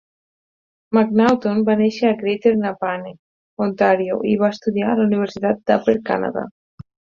Macnaughton va néixer a Greater Napanee, Ontàrio, i va estudiar a la Universitat d'Upper Canada.